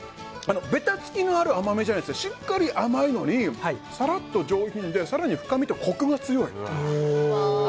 べたつきのある甘みではなくしっかり甘いのにさらっと上品で更に深みとコクが強い。